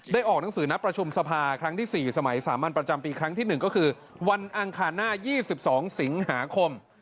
ออกหนังสือนัดประชุมสภาครั้งที่๔สมัยสามัญประจำปีครั้งที่๑ก็คือวันอังคารหน้า๒๒สิงหาคม